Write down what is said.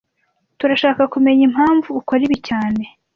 Turashaka kumenya impamvu ukora ibi cyane